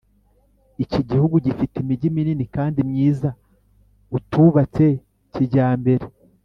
Iki gihugu gifite imigi minini kandi myiza utubatse kijyambere